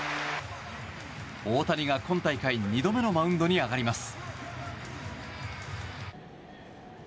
大谷が今大会２度目のマウンドに上がります。